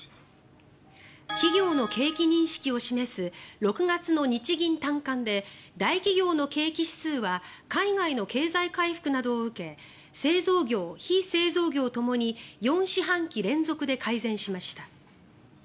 企業の景気認識を示す６月の日銀短観で大企業の景気指数は海外の経済回復などを受け製造業・非製造業ともに４四半期連続で改善しました。